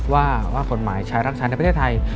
ว่าคนหมายชายลักษณะเทพเทศไทย